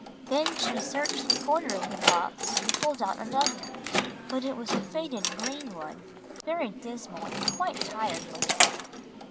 Then she searched the corner of the box and pulled out another, but it was a faded green one, very dismal, and quite tired looking.